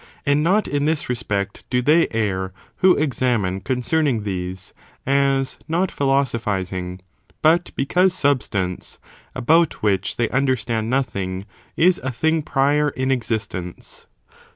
And not in this respect do they err who examine concerning these, as not philosophising, but because substance, about which they understand nothing, is a thing prior in existence.